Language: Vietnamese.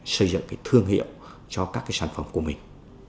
xây dựng thương hiệu cho các sản phẩm của mình